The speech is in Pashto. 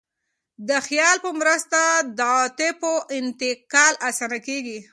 د خیال په مرسته د عواطفو انتقال اسانه کېږي.